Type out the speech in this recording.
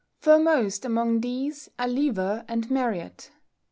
Foremost among these are Lever and Marryat.